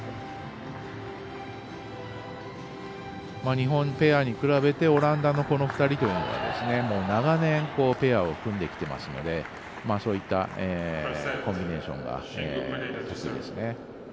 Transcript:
日本ペアに比べてオランダの２人は長年、ペアを組んできてますのでそういったコンビネーションが得意ですね。